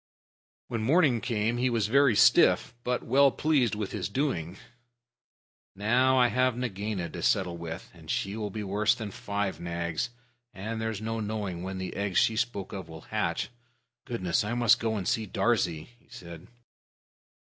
When morning came he was very stiff, but well pleased with his doings. "Now I have Nagaina to settle with, and she will be worse than five Nags, and there's no knowing when the eggs she spoke of will hatch. Goodness! I must go and see Darzee," he said.